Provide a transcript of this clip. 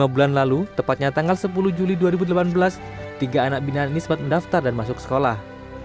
lima bulan lalu tepatnya tanggal sepuluh juli dua ribu delapan belas tiga anak binaan ini sempat mendaftar dan masuk sekolah